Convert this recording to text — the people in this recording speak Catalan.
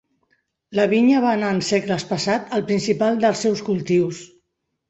La vinya va anar en segles passats el principal dels seus cultius.